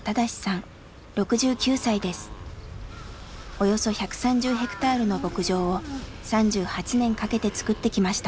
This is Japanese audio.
およそ１３０ヘクタールの牧場を３８年かけてつくってきました。